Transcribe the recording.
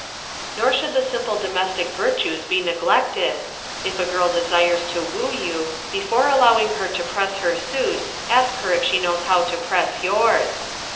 "Nor should the simple domestic virtues be neglected. If a girl desires to woo you, before allowing her to press her suit, ask her if she knows how to press yours.